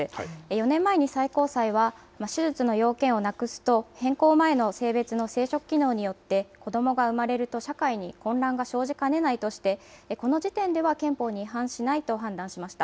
４年前に最高裁は、手術の要件をなくすと、変更前の性別の生殖機能によって、子どもが生まれると社会に混乱が生じかねないとして、この時点では憲法に違反しないと判断しました。